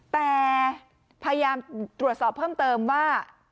แต่พยายามตรวจสอบเพิ่มเติมว่า